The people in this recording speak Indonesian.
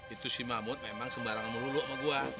itu si mahmud memang sembarangan melulu sama gua